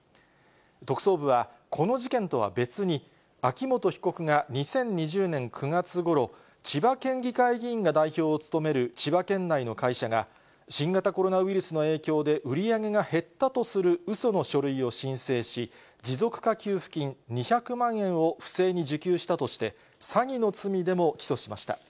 特捜部は、この事件とは別に、秋本被告が２０２０年９月ごろ、千葉県議会議員が代表を務める千葉県内の会社が、新型コロナウイルスの影響で売り上げが減ったとするうその書類を申請し、持続化給付金２００万円を不正に受給したとして、詐欺の罪でも起訴しました。